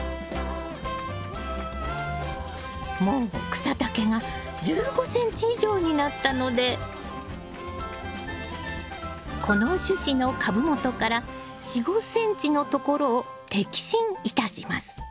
もう草丈が１５ｃｍ以上になったのでこの主枝の株元から４５ｃｍのところを摘心いたします。